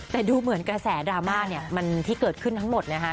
แต่ดูเหมือนกระแสดราม่าเนี่ยมันที่เกิดขึ้นทั้งหมดนะคะ